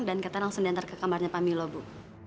dan kata langsung diantar ke kamarnya pak milo bu